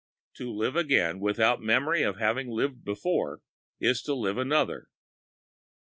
To live again without memory of having lived before is to live another.